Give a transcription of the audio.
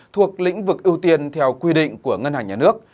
thuộc lĩnh vực ưu tiên theo quy định của ngân hàng nhà nước